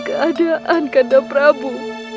keadaan kakanda prabu